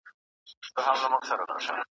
ما پرون د کور کتابونه ترتيب کړل.